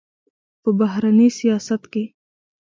په بهرني سیاست کې